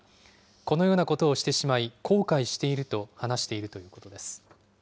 このようなことをしてしまい、後悔していると話しているということです。